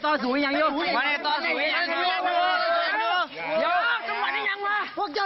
ตัวสูงไหนครับท่านได้ตัวสูงอย่างเยอะ